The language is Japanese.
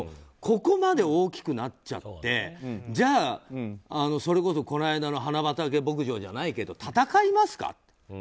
ここまで大きくなっちゃってじゃあそれこそこの間の花畑牧場じゃないけど戦いますか？